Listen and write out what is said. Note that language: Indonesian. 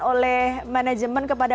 oleh manajemen kepada